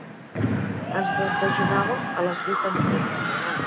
Ens desdejunàvem a les vuit en punt.